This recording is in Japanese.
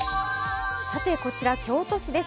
さてこちら京都市です。